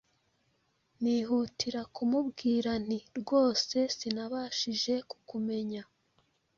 nihutira kumubwira nti rwose sinabashije kukumenya